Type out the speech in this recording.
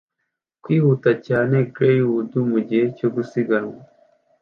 Kwihuta cyane Greyhound mugihe cyo gusiganwa